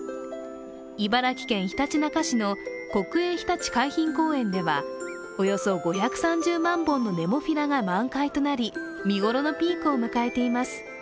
茨城県ひたちなか市の国営ひたち海浜公園では、およそ５３０万本のネモフィラが満開となり見頃のピークを迎えています。